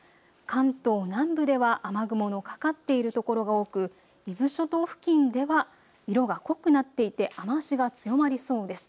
関東南部では雨雲のかかっている所が多く伊豆諸島付近では色が濃くなっていて雨足が強まりそうです。